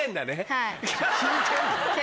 はい。